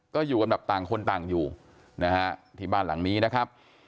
ก็อยู่กันแบบต่างคนต่างอยู่นะฮะที่บ้านหลังนี้นะครับ